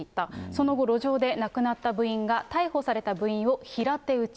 その後、路上で亡くなった部員が逮捕された部員を平手打ち。